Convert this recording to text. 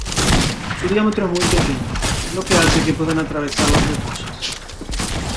Su diámetro es muy pequeño, lo que hace que puedan atravesar las mucosas.